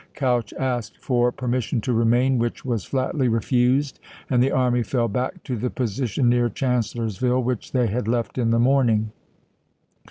Couch asked for per mission to remain, which was flatly refused, and the army fell back to the position near Chancellors ville which they had left in the morning.